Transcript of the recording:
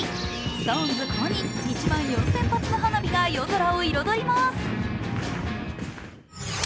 ストーンズ公認、１万４０００発の花火が夜空を彩ります。